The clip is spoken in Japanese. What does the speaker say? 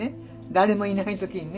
誰もいない時にね。